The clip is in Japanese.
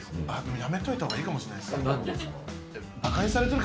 やめといたほうがいいかもしなんでですか？